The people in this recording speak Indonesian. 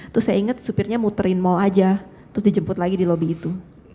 terus saya ingat supirnya muterin mall aja terus dijemput lagi di lobi itu